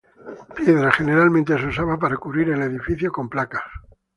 Piedra: generalmente se usaba para cubrir el edificio con placas.